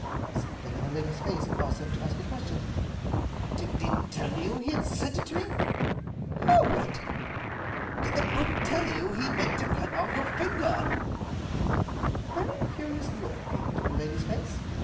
Something in the lady's face caused him to ask a question; "Didn't he tell you he had sent it to me?" "Hereward!" "Did the brute tell you that he meant to cut off your little finger?" A very curious look came into the lady's face.